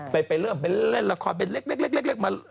ไปเริ่มเป็นเล่นละครเป็นเล็กมา